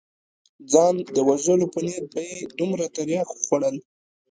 د ځان وژلو په نيت به يې دومره ترياک وخوړل.